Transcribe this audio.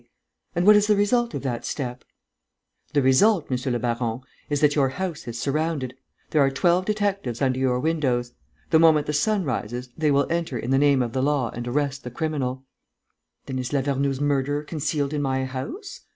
And what is the result of that step?" "The result, monsieur le baron, is that your house is surrounded. There are twelve detectives under your windows. The moment the sun rises, they will enter in the name of the law and arrest the criminal." "Then is Lavernoux's murderer concealed in my house?